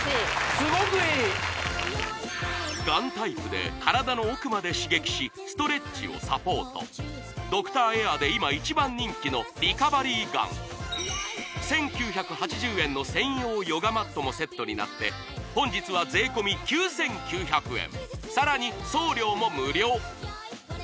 すごくいいガンタイプで体の奥まで刺激しストレッチをサポートドクターエアで今一番人気のリカバリーガン１９８０円の専用ヨガマットもセットになって本日は税込９９００円